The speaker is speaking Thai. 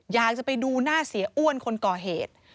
อยากจะไปดูหน้าเสียอ้วนคนก่อเหตุ